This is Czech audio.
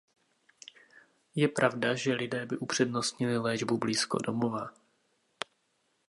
Je pravda, že lidé by upřednostnili léčbu blízko domova.